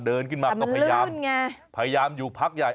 เดินขึ้นมาก็พยายามพยายามอยู่พักใหญ่